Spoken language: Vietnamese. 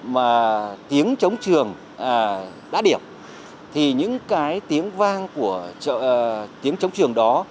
mà tiếng chống trường đã điểm thì những cái tiếng vang của tiếng chống trường đó